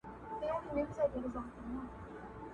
زما په مرگ به خلک ولي خوښېدلای!.